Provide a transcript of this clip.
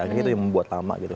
jadi itu yang membuat lama gitu